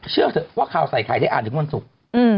เชื่อเถอะว่าข่าวใส่ไข่ได้อ่านถึงวันศุกร์